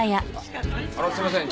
あのすいません。